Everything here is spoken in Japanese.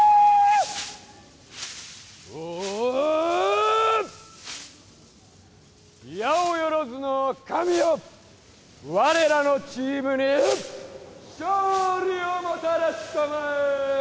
おおおおおやおよろずの神よ我らのチームに勝利をもたらしたまえ！